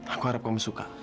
aku harap kamu suka